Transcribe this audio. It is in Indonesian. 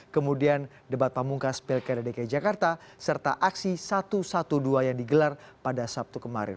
kemudian debat pamungkas pilkada dki jakarta serta aksi satu ratus dua belas yang digelar pada sabtu kemarin